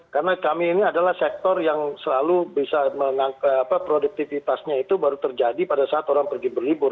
karena kami ini adalah sektor yang selalu bisa mengangkat produktivitasnya itu baru terjadi pada saat orang pergi berlibur